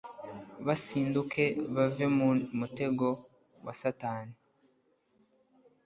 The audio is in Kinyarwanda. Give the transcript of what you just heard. basinduke bave mu mutego wa satani